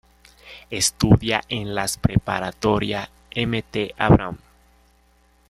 Estudia en las preparatoria Mt. Abraham.